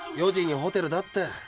４時にホテルだって。